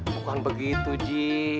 bukan begitu ji